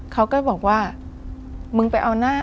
เขาก็บอกว่ามึงไปเอาหน้า